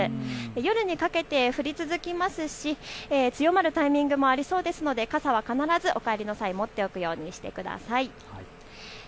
夜にかけて降り続きますし強まるタイミングもありそうですので傘は必ずお帰りの際、持っておくようにしてください。